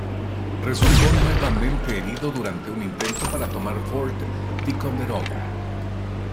Resultó nuevamente herido durante un intento para tomar Fort Ticonderoga.